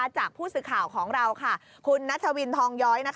จากผู้สื่อข่าวของเราคุณนัทวินทองย้อย